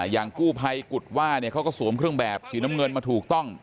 อย่างกู้ภัยกุฎว่าเขาก็สวมเครื่องแบบสีน้ำเงินมาถูกต้อง